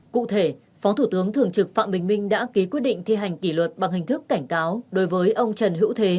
cụ thể phó thủ tướng thường trực phạm bình minh đã ký quyết định thi hành kỷ luật bằng hình thức cảnh cáo đối với ông trần hữu thế